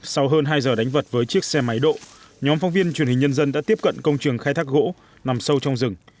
sau hơn hai giờ đánh vật với chiếc xe máy độ nhóm phóng viên truyền hình nhân dân đã tiếp cận công trường khai thác gỗ nằm sâu trong rừng